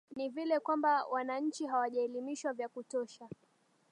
ni vile kwamba wananchi hawajaelimishwa vya kutosha